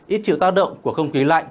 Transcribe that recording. ít chịu tác động của không khí lạnh